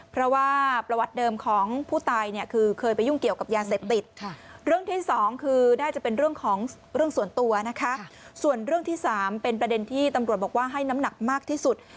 เพราะว่าประวัติเดิมของผู้ตายเนี่ยคือเคยไปยุ่งเกี่ยวกับยาเสพติด